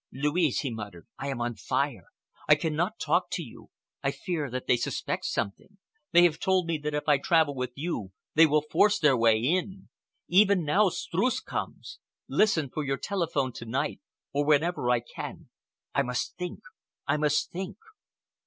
"Louise," he muttered, "I am on fire! I cannot talk to you! I fear that they suspect something. They have told me that if I travel with you they will force their way in. Even now, Streuss comes. Listen for your telephone to night or whenever I can. I must think—I must think!"